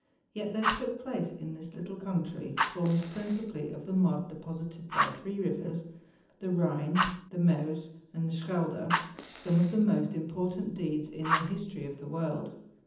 Yet there took place in this little country, formed principally of the mud deposited by three rivers, the Rhine, the Meuse, and the Schelde, some of the most important deeds in the history of the world.